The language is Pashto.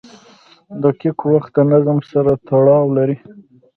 • دقیق وخت د نظم سره تړاو لري.